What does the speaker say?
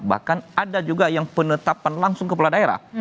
bahkan ada juga yang penetapan langsung kepala daerah